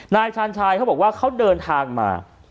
นายชาญชายเขาบอกว่าเขาเดินทางมา